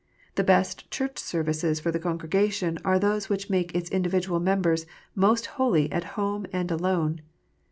The best Church Services for the congregation are those which make its individual members most holy at home and alone.